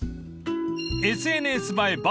［ＳＮＳ映え抜群］